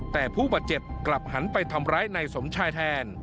แต่ผู้บาดเจ็บกลับหันไปทำร้ายนายสมชายแทน